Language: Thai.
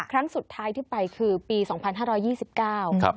ครั้งสุดท้ายที่ไปคือปีสองพันห้าร้อยยี่สิบเก้าครับ